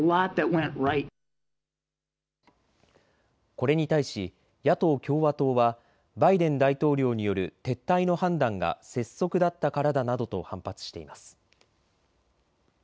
これに対し野党・共和党はバイデン大統領による撤退の判断が拙速だったからだなどと反発しています。